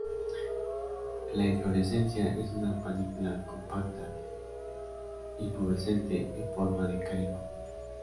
La inflorescencia es una panícula compacta y pubescente en forma de corimbo.